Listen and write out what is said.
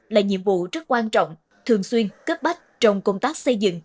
là nhiệm vụ rất quan trọng thường xuyên cấp bách trong công tác xây dựng